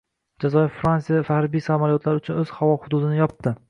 Jazoyir Fransiya harbiy samolyotlari uchun o‘z havo hududini yopdi